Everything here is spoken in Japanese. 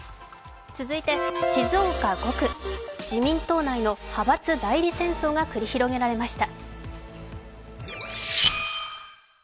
続いて、静岡５区自民党内の派閥代理戦争が繰り広げられました。